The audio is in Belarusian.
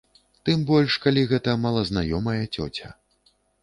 Тым больш калі гэта малазнаёмая цёця.